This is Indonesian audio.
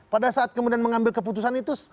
pada saat kemudian mengambil keputusan itu